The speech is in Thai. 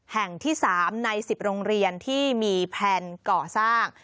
แห่งที่๓ใน๑๐โรงเรียนที่มีแพลนก่อสร้าง